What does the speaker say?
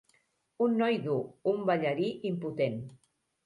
Un noi dur, un ballarí impotent.